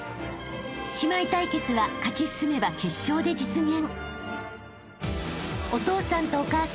［姉妹対決は勝ち進めば決勝で実現］